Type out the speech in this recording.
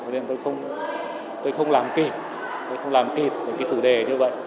nên tôi không làm kịp tôi không làm kịp cái thủ đề như vậy